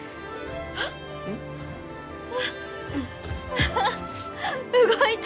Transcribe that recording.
アハ動いた！